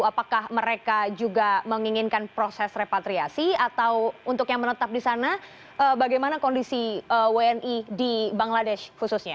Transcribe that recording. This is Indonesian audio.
apakah mereka juga menginginkan proses repatriasi atau untuk yang menetap di sana bagaimana kondisi wni di bangladesh khususnya